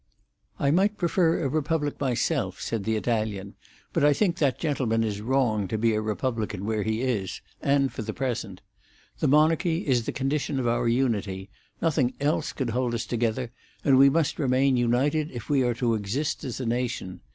"I might prefer a republic myself," said the Italian, "but I think that gentleman is wrong to be a republican where he is, and for the present. The monarchy is the condition of our unity; nothing else could hold us together, and we must remain united if we are to exist as a nation.